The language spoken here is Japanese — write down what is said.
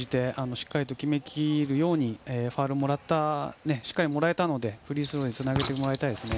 しっかりと決めきるようにファウルをしっかりもらえたのでフリースローにつなげてもらいたいですね。